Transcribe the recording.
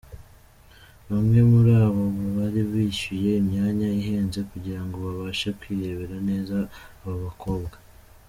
Bamwe muri bo bari bishyuye imyanya ihenze kugira ngo babashe kwirebera neza aba bakobwa.